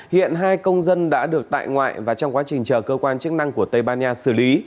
hiện hai công dân đã được tại ngoại và trong quá trình chờ cơ quan chức năng của tây ban nha xử lý